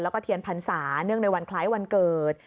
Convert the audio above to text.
แล้วก็เทียนพรรษาเนื่องในวันคล้ายวันเกิด